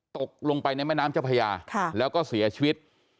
ตกลงไปในแม่น้ำเจ้าพญาแล้วก็เสียชีวิต